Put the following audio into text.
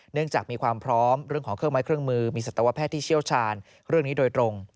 จากมีความพร้อมเรื่องของเครื่องไม้เครื่องมือมีสัตวแพทย์ที่เชี่ยวชาญเรื่องนี้โดยตรง